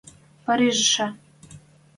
Парижшӹ